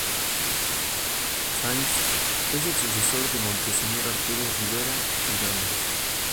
Sáenz es el sucesor de Monseñor Arturo Rivera y Damas.